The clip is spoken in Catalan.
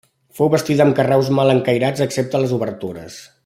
Fou bastida amb carreus mal escairats excepte a les obertures.